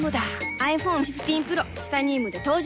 ｉＰｈｏｎｅ１５Ｐｒｏ チタニウムで登場